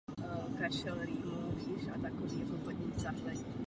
Na Letních olympijských hrách v Londýně nepatřila mezi hlavní kandidátky na medaili.